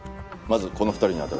まずこの２人に当たれ。